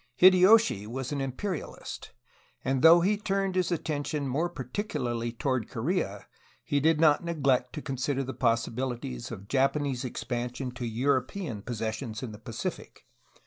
Hideyoshi was an imperialist, and though he turned his attention more particularly toward Korea did not neglect to consider the possibilities of Japanese expansion to European possessions in the Pacific.